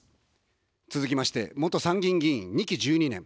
続きまして、元参議院議員２期１２年。